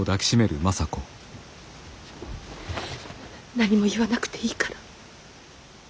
何も言わなくていいから。